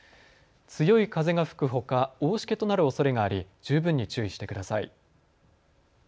強い風が吹くほか大しけとなるおそれがあり十分に注意してください。